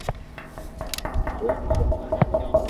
ھين اآڪ بيٺڪ ھي